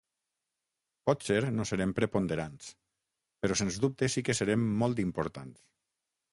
Potser no serem preponderants, però sens dubte sí que serem molt importants.